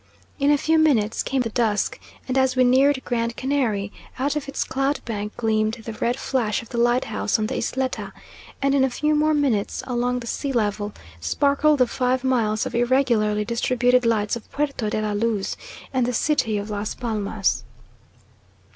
In a few minutes came the dusk, and as we neared Grand Canary, out of its cloud bank gleamed the red flash of the lighthouse on the Isleta, and in a few more minutes, along the sea level, sparkled the five miles of irregularly distributed lights of Puerto de la Luz and the city of Las Palmas.